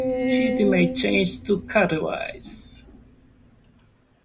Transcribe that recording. City may be changed to Katowice.